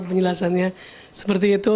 penjelasannya seperti itu